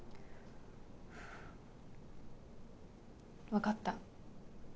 分かった。